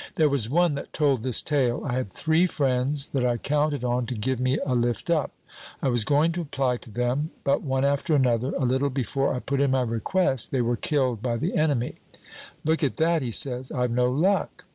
"' There was one that told this tale, 'I had three friends that I counted on to give me a lift up. I was going to apply to them; but, one after another, a little before I put my request, they were killed by the enemy; look at that,' he says, 'I've no luck!'